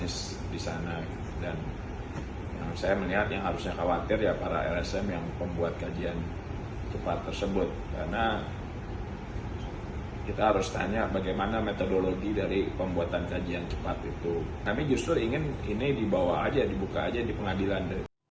luhut bin sar panjaitan juga dilaporkan sebagai bukti berupa dokumen yang kemudian menjadi bahan atau data untuk sebagai dasar laporan